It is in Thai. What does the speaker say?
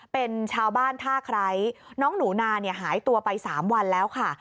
เป็นชาวบ้านท่าไคร้น้องหนูนาเนี่ยหายตัวไป๓วันแล้วค่ะ